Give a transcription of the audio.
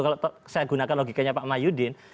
kalau saya gunakan logikanya pak mahyudin